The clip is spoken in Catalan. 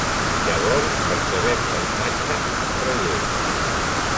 Llavors percebem la imatge en relleu.